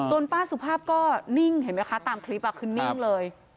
ป้าสุภาพก็นิ่งเห็นไหมคะตามคลิปคือนิ่งเลย